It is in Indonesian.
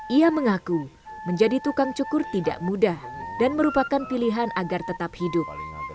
ia mengaku menjadi tukang cukur tidak mudah dan merupakan pilihan agar tetap hidup